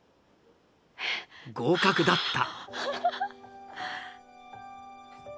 合格だった。